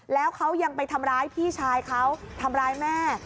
แล้วเขายังไปทำร้ายพี่ชายเขาทำร้ายแม่